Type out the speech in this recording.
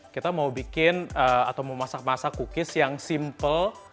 kita mau bikin atau memasak masak cookies yang simple